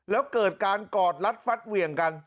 แล้วเกิดการกอดรัดฟัดเหวี่ยงกัน